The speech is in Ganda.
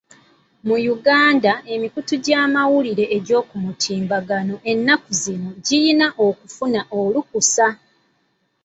Mu Uganda, emikutu gy'amawulire egy'oku mutimbagano ennaku zino girina okufuna olukusa.